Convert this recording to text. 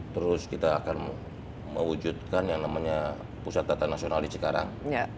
terus kita akan mewujudkan yang namanya pusat data nasional di cikarang